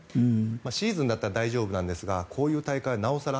シーズンだったら大丈夫ですがこういう大会は、なお更